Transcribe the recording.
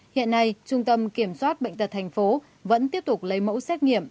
hiện nay trung tâm kiểm soát bệnh tật thành phố vẫn tiếp tục lấy mẫu xét nghiệm